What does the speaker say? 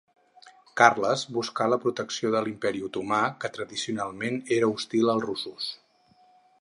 Carles buscà la protecció de l'Imperi Otomà, que tradicionalment era hostil als russos.